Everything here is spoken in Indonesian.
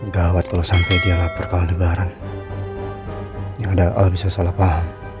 gawat kalau sampai dia lapar kalau nebaran yang ada al bisa salah paham